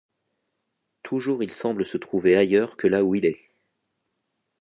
Toujours il semble se trouver ailleurs que là où il est.